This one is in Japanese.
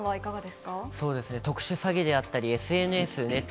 特殊詐欺であったり、ＳＮＳ、ネット